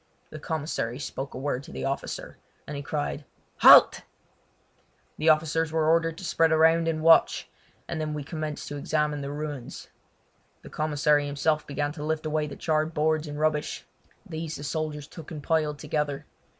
The commissary spoke a word to the officer, and he cried: "Halt!" The soldiers were ordered to spread around and watch, and then we commenced to examine the ruins. The commissary himself began to lift away the charred boards and rubbish. These the soldiers took and piled together.